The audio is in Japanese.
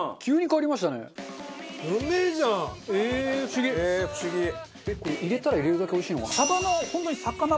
これ入れたら入れるだけおいしいのかな？